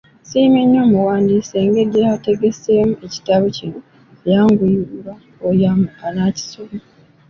Nsiimye nnyo omuwandiisi engeri gy'ategeseemu ekitabo kino, eyanguyirwa oyo anaakisoma.